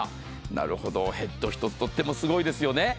なるほどヘッド１つとってもすごいですよね。